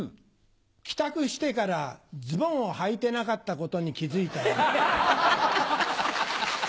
帰宅してからズボンをはいてなかったことに気付いた夜。